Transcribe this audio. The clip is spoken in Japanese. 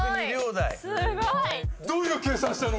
どういう計算したの？